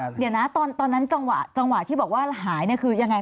เดี๋ยวนะตอนนั้นจังหวะที่บอกว่าหายคือยังไง